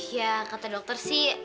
ya kata dokter sih